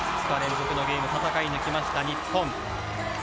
２日連続のゲームを戦い抜きました日本。